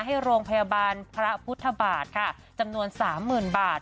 ให้โรงพยาบาลพระพุทธบาทค่ะจำนวนสามหมื่นบาท